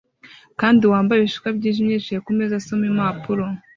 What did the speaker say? kandi wambaye ibishishwa byijimye yicaye kumeza asoma impapuro